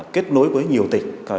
kết nối với nhiều tỉnh và khu vực